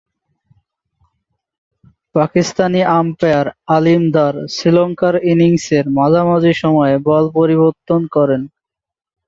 Pakistani umpire Aleem Dar শ্রীলঙ্কার ইনিংসের মাঝামাঝি সময়ে বল পরিবর্তন করেন।